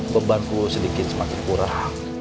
bebanku sedikit semakin kurang